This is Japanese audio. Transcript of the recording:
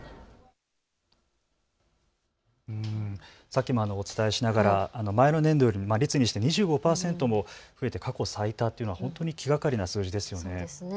さっきもお伝えしながら前の年度より率にして２５％も増えて過去最多っていうのは本当に気がかりな数字ですよね。